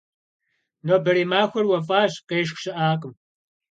Нобэрей махуэр уэфӀащ, къешх щыӀакъым.